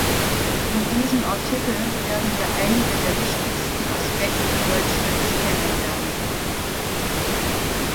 In diesem Artikel werden wir einige der wichtigsten Aspekte Deutschlands kennenlernen.